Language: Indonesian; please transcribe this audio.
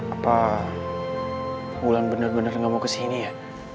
apa ulan bener bener gak mau kesini ya